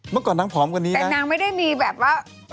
เมื่อก่อนนางผอมกว่านี้แต่นางไม่ได้มีแบบว่า